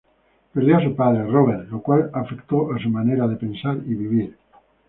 Perdió a su padre, Robert, lo cual afectó su manera de pensar y vivir.